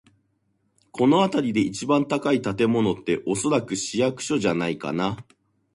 この辺りで一番高い建物って、おそらく市役所じゃないかな。